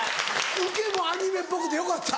受けもアニメっぽくてよかった。